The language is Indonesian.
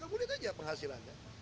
nggak boleh aja penghasilannya